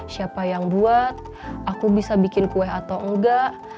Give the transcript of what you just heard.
siapa yang buat aku bisa bikin kue atau enggak